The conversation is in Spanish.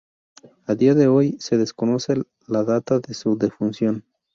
A día de hoy, se desconoce la data de su defunción.